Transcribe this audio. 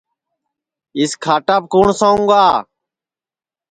اِس کھاٹاپ کُوٹؔ سوُں گا